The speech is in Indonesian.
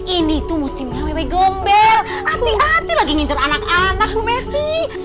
ini tuh musimnya wewe gombel hati hati lagi ngin anak anak messi